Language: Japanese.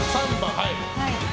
はい。